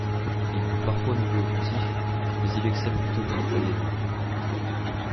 Il joue parfois milieu offensif mais il excelle plutôt comme ailier droit.